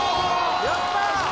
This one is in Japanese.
やった！